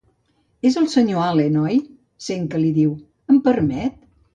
És el senyor Allen, oi? —sent que li diu— Em permet?